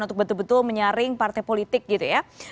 untuk betul betul menyaring partai politik gitu ya